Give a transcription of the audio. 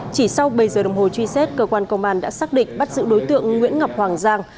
chỉ sau bảy giờ đồng hồ truy xét cơ quan công an đã xác định bắt giữ đối tượng nguyễn ngọc hoàng giang